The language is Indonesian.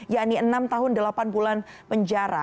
yakni enam tahun delapan bulan penjara